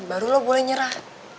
baru lo boleh nyerah